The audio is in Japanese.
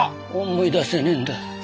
思い出せねえんだ。